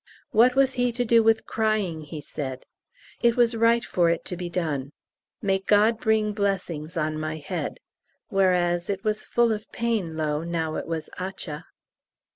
What was he to do with crying, he said; it was right for it to be done. May God bring blessings on my head; whereas it was full of pain, lo, now it was atcha.